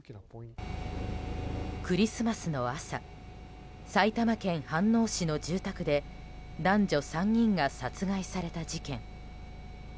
クリスマスの朝埼玉県飯能市の住宅で男女３人が殺害された事件。